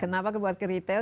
kenapa membuat ke retail